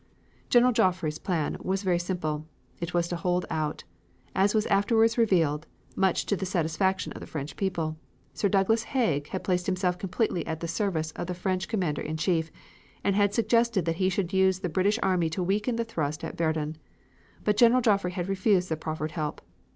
General Joffre's plan was very simple. It was to hold out. As was afterwards revealed, much to the satisfaction of the French people, Sir Douglas Haig had placed himself completely at the service of the French Commander in Chief, and had suggested that he should use the British army to weaken the thrust at Verdun. But General Joffre had refused the proffered help.